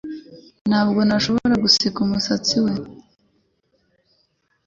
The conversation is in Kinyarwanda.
Ntabwo nashoboye guseka umusatsi we.